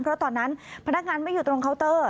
เพราะตอนนั้นพนักงานไม่อยู่ตรงเคาน์เตอร์